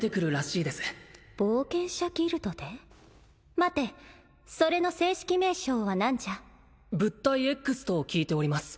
待てそれの正式名称は何じゃ物体Ｘと聞いております